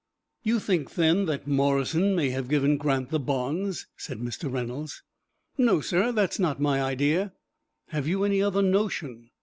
"You think, then, that Morrison may have given Grant the bonds?" said Mr. Reynolds. "No, sir; that is not my idea." "Have you any other notion?"